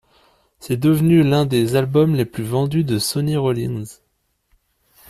C'est devenu l'un des albums les plus vendus de Sonny Rollins.